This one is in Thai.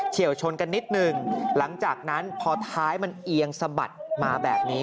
เชี่ยวชนกันนิดหนึ่งหลังจากนั้นพอท้ายมันเอียงสะบัดมาแบบนี้